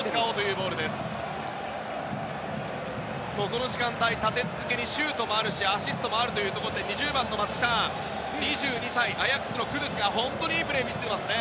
この時間帯、立て続けにシュートもあるしアシストもあるということで２０番の２２歳アヤックスのクドゥスが本当にいいプレーを見せていますね。